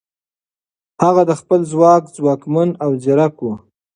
هغه د خپل ځواک ځواکمن او ځیرک و.